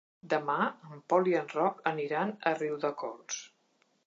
Demà en Pol i en Roc aniran a Riudecols.